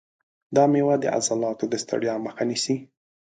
دا مېوه د عضلاتو د ستړیا مخه نیسي.